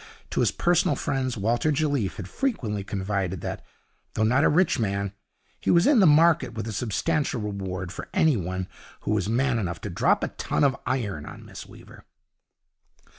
To his personal friends Walter Jelliffe had frequently confided that, though not a rich man, he was in the market with a substantial reward for anyone who was man enough to drop a ton of iron on Miss Weaver.